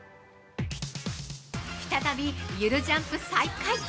再び、ゆるジャンプ再開。